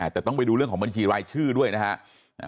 แต่ต้องไปดูเรื่องของบัญชีรายชื่อด้วยนะครับ